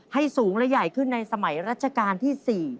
สูงและใหญ่ขึ้นในสมัยรัชกาลที่๔